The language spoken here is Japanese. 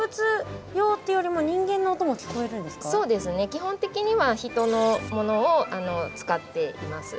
基本的には人のものを使っています。